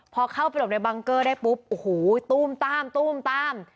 พอเข้าไปหลบในบังเกอร์ได้ปุ๊บโอ้โหตู้มตามตู้มตาม